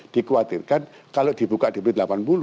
dikuatirkan kalau dibuka di belit delapan puluh